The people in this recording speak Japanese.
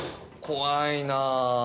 怖いなぁ。